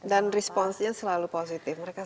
dan responnya selalu positif